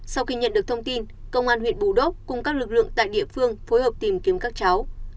sau khi nhận được thông tin công an huyện bù đốc cùng các lực lượng tại địa phương phối hợp tìm kiếm các cháu